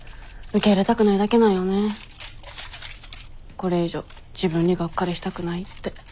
これ以上自分にがっかりしたくないって。